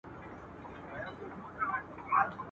لږ خبري، په اصول کړه، په حساب